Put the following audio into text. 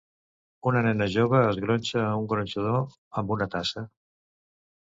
Una nena jove es gronxa a un gronxador amb una tassa.